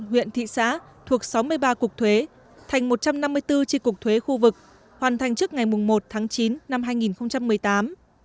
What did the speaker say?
huyện thị xã thuộc sáu mươi ba cục thuế thành một trăm năm mươi bốn tri cục thuế khu vực hoàn thành trước ngày một tháng chín năm hai nghìn một mươi tám